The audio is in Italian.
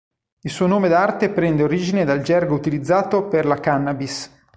Il suo nome d'arte prende origine dal gergo utilizzato per la cannabis.